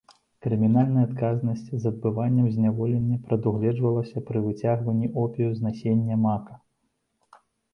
Крымінальная адказнасць з адбываннем зняволення прадугледжвалася пры выцягванні опію з насення мака.